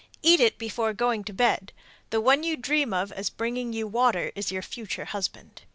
Eat it before going to bed. The one you dream of as bringing you water is your future husband.